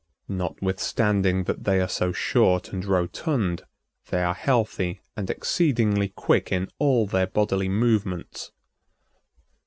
Notwithstanding that they are so short and rotund, they are healthy and exceedingly quick in all their bodily movements.